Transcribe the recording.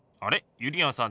ゆりやんさん